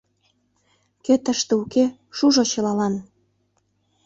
Кӧ тыште уке, шужо чылалан!»